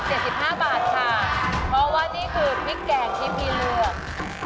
ต้องถูกกว่า๗๕บาทค่ะเพราะว่านี่คือพริกแกงที่มีเลือก